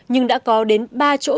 nhưng đã có đến ba chỗ